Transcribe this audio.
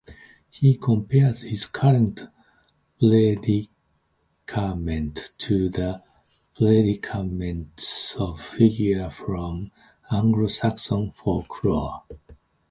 He compares his current predicament to the predicaments of figures from Anglo-Saxon folklore.